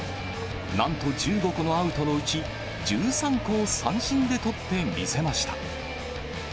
なんと１５個のアウトのうち、１３個を三振で取ってみせました。